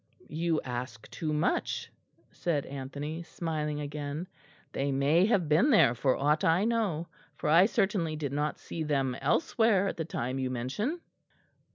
"You ask too much," said Anthony, smiling again; "they may have been there for aught I know, for I certainly did not see them elsewhere at the time you mention."